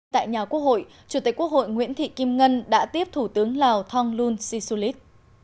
tại nhà quốc hội chủ tịch quốc hội nguyễn thị kim ngân đã tiếp thủ tướng lào thong lun si sulit